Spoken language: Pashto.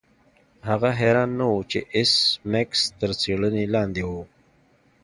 هغه حیران نه و چې ایس میکس تر څیړنې لاندې و